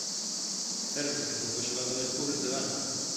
Certo que poucos xogadores puros de banda.